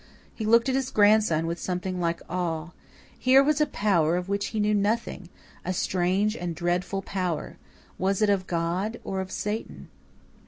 He looked at his grandson with something like awe. Here was a power of which he knew nothing a strange and dreadful power. Was it of God? Or of Satan?